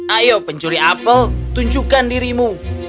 ayo pencuri apel tunjukkan dirimu